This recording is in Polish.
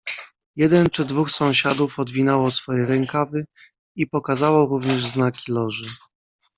"Jeden czy dwóch sąsiadów odwinęło swoje rękawy i pokazało również znaki Loży."